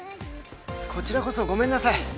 こちらこそごめんなさい。